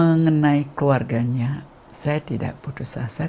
mengenai keluarganya saya tidak putus asa